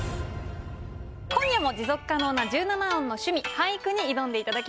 今夜も持続可能な１７音の趣味俳句に挑んでいただきます。